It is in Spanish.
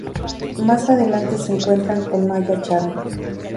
Más adelante se encuentran con Maya-Chan.